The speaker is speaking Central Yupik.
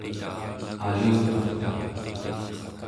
aluturta